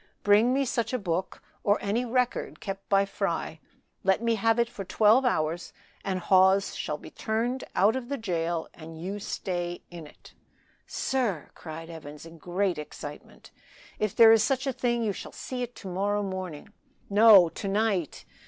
Bring me such a book or any record kept by Fry; let me have it for twelve hours and Hawes shall be turned out of the jail and you stay in it." "Sir!" cried Evans, in great excitement, "if there is such a thing you shall see it to morrow morning." "No! to night!